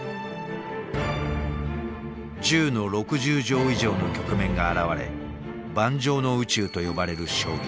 １０の６０乗以上の局面が現れ盤上の宇宙と呼ばれる将棋。